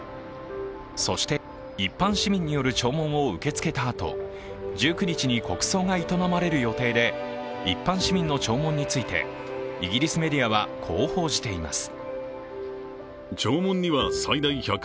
そして一般市民による弔問を受け付けたあと１９日に国葬が営まれる予定で、一般市民の弔問についてイギリスメディアはこう報じています。